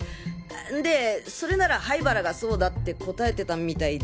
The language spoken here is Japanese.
んでそれなら灰原がそうだって答えてたみたいで。